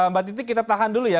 mbak titi kita tahan dulu ya